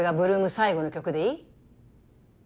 最後の曲でいい？